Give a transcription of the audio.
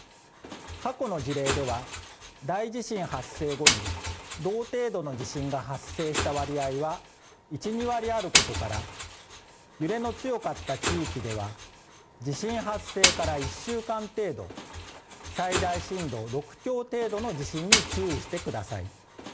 過去の事例では、大地震発生後に同程度の地震が発生した割合は１２割あることから揺れの強かった地域では地震発生から１週間程度最大震度６強程度の地震に注意してください。